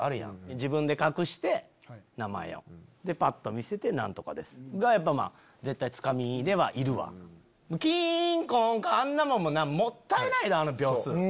自分で隠して名前をでパッと見せて「何とかです」がやっぱ絶対つかみではいるわ。「キンコンカン」あんなもんもったいないであの秒数。